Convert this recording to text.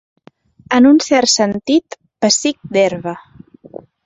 En un cert sentit, pessic d'herba.